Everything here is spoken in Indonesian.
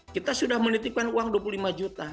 kita sudah menitipkan uang dua puluh lima juta